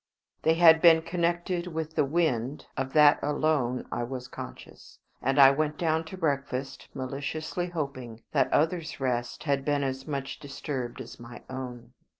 They had been connected with the wind, of that alone I was conscious, and I went down to breakfast, maliciously hoping that others' rest had been as much disturbed as my own.